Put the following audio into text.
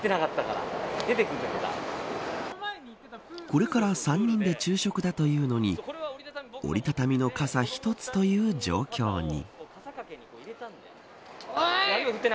これから３人で昼食だというのに折り畳みの傘１つという状況に。